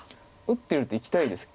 打ってるといきたいです。